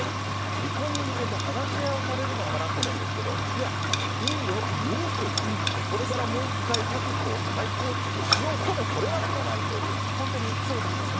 離婚に向けて話し合いをされるのかなって思うんですけど、いや、いいよ、許す、これからもう一回家族を再構築しようとも取れなくもないという。